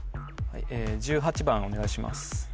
１８番お願いします